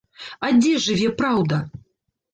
А дзе жыве праўда?